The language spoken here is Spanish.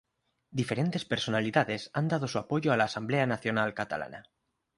Diferentes personalidades han dado su apoyo a la Asamblea Nacional Catalana.